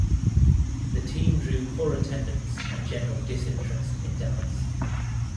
The team drew poor attendance and general disinterest in Dallas.